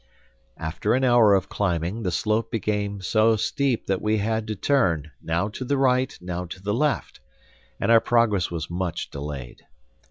After an hour of climbing, the slope became so steep that we had to turn, now to the right, now to the left; and our progress was much delayed.